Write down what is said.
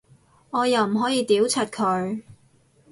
我又唔可以屌柒佢